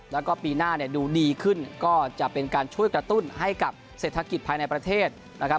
แล้วก็ปีหน้าเนี่ยดูดีขึ้นก็จะเป็นการช่วยกระตุ้นให้กับเศรษฐกิจภายในประเทศนะครับ